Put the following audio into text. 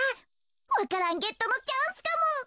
わか蘭ゲットのチャンスかも。